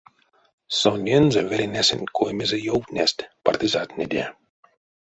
Сонензэ велинесэнть кой-мезе ёвтнесть партизантнэде.